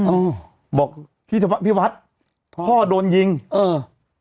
โอ้วบอกพี่ธพพี่วัฒพ่อโดนยิงเออ